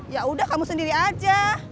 ya udah kamu sendiri aja